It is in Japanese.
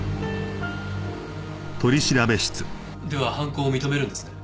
では犯行を認めるんですね？